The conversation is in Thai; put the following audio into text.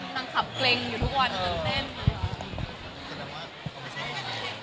นางขับเกร็งอยู่ทุกวันนางเต้น